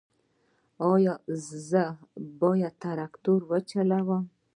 ایا زه باید تراکتور وچلوم؟